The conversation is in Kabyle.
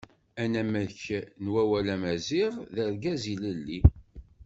Anamek n wawal Amaziɣ d Argaz ilelli.